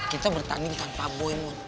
kita bertanding tanpa boi mo